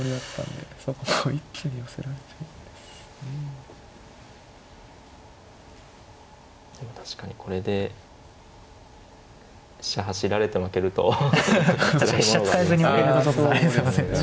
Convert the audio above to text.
でも確かにこれで飛車走られて負けるとつらいものがありますね。